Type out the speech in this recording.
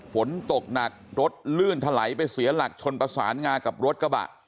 ฝนตกหนักรถลื่นถลายไปเสียหลักชนประสานงากับรถกระบะ